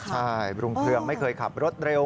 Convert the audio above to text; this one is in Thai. ใช่รุงเครื่องไม่เคยขับรถเร็ว